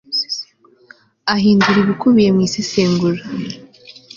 ahindura ibikubiye mu isesengura